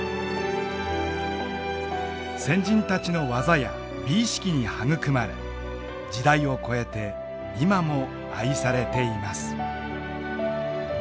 先人たちの技や美意識に育まれ時代を超えて今も愛されています。